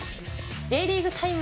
「Ｊリーグタイム」